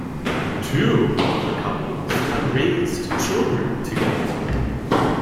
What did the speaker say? Two of the couples had raised children together.